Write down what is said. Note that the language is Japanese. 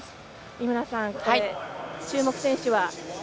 井村さん、注目選手は？